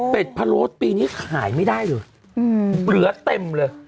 เป็นพะโล้ปีนี้ขายไม่ได้เลยเหลือเต็มเลย